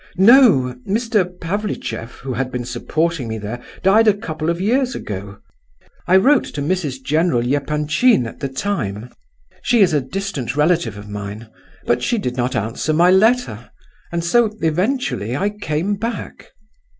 "No—Mr. Pavlicheff, who had been supporting me there, died a couple of years ago. I wrote to Mrs. General Epanchin at the time (she is a distant relative of mine), but she did not answer my letter. And so eventually I came back."